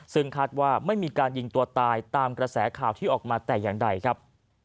ซึ่งคาดว่าไม่มีการยิงตัวตายตามกระแสข่าวที่ออกมาแต่อย่างใดครับ